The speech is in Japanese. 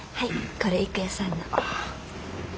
これ郁弥さんの。